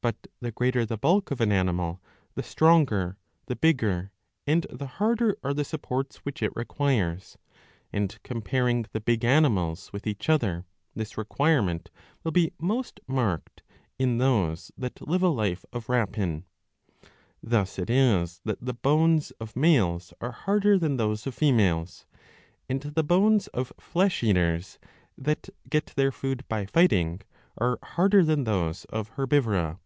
But the greater the bulk of an animal, the stronger, the bigger, and the harder, are the supports which it requires; and comparing the big animals with each other, this requirement will be most marked in those that live a life of rapine. Thus it is that the bones of males are harder than those of females ; and the bones of flesh eaters, that get their food by fighting, are harder than those of herbivora.